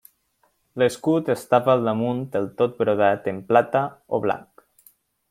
L'escut estava al damunt del tot brodat en plata o blanc.